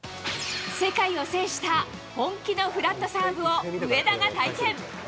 世界を制した、本気のフラットサーブを上田が体験。